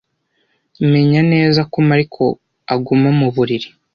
Menya neza ko Mariko aguma mu buriri.